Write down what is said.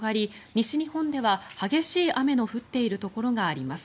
西日本では激しい雨の降っているところがあります。